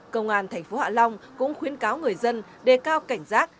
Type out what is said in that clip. công an tp hạ long cũng khuyến cáo người dân đề cao cảnh giác